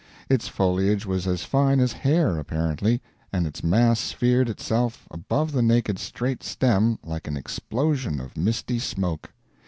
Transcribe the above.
Its foliage was as fine as hair, apparently, and its mass sphered itself above the naked straight stem like an explosion of misty smoke.